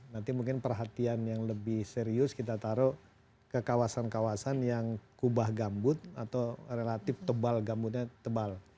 nanti mungkin perhatian yang lebih serius kita taruh ke kawasan kawasan yang kubah gambut atau relatif tebal gambutnya tebal